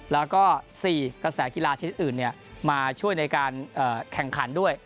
แล้วก็๔กระแสกีฬาชนิดอื่นมาช่วยในการแข่งขันด้วย